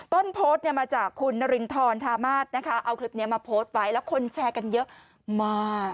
ต้นโพสต์เนี่ยมาจากคุณนรินทรธามาศนะคะเอาคลิปนี้มาโพสต์ไว้แล้วคนแชร์กันเยอะมาก